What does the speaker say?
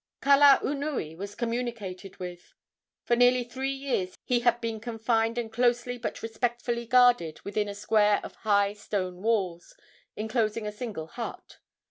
Kalaunui was communicated with. For nearly three years he had been confined and closely but respectfully guarded within a square of high stone walls enclosing a single hut.